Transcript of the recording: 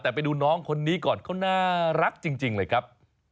แต่ไปดูน้องคนนี้ก่อนเขาน่ารักจริงเลยครับ